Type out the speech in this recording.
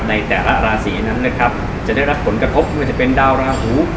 ในแต่ละราศีนั้นนะครับจะได้รับผลกระทบไม่ว่าจะเป็นดาวราหู